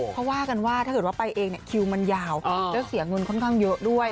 เขาว่ากันว่าถ้าเกิดว่าไปเองคิวมันยาวแล้วเสียเงินค่อนข้างเยอะด้วย